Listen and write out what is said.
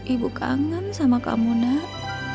ibu kangen sama kamu nak